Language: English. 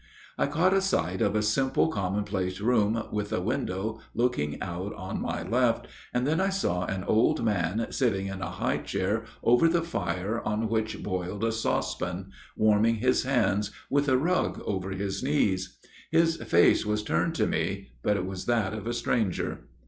I caught a sight of a simple commonplace room with a window looking out on my left, and then I saw an old man sitting in a high chair over the fire on which boiled a saucepan, warming his hands, with a rug over his knees. His face was turned to me, but it was that of a stranger.